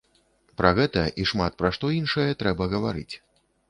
Пра гэта і шмат пра што іншае трэба гаварыць.